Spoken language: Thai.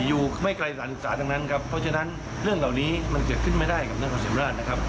อยู่ไม่ไกลสารศึกษาทั้งนั้นครับเพราะฉะนั้นเรื่องเหล่านี้มันเกิดขึ้นไม่ได้กับนครศรีธรรมราชนะครับ